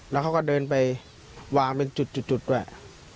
แล้วเขาก็เดินไปวางเป็นจุดด้วย